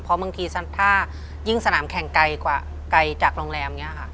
เพราะบางทีถ้ายิ่งสนามแข่งไกลกว่าไกลจากโรงแรมอย่างนี้ค่ะ